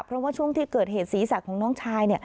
เพราะว่าช่วงที่เกิดเหตุศีรษะของน้องชาย